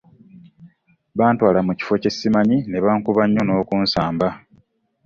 Bantwala mu kifo kye ssimanyi ne bankuba nnyo n'okunsamba.